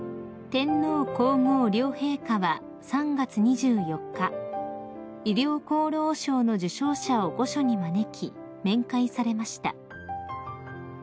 ［天皇皇后両陛下は３月２４日医療功労賞の受賞者を御所に招き面会されました］